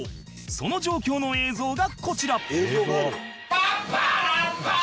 その状況の映像がこちら